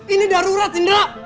ini darurat indra